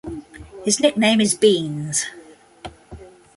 His nickname is Beans.